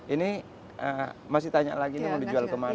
ini masih tanya lagi ini mau dijual kemana